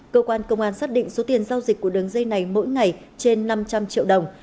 cơ quan công an xác định số tiền giao dịch của đường dây này mỗi ngày trên năm trăm linh triệu đồng